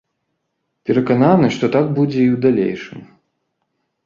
Перакананы, што так будзе і ў далейшым.